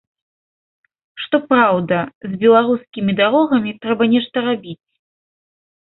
Што праўда, з беларускімі дарогамі трэба нешта рабіць.